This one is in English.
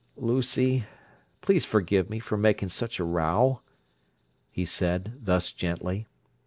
"Lucy, please forgive me for making such a row," he said, thus gently.